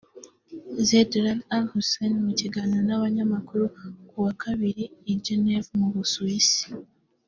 Zeid Raad al-Hussein mu kiganiro n’abanyamakuru ku wa kabiri i Genève mu Busuwisi